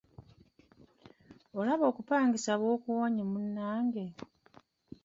Olabye okupangisa bw’okuwonye munnange!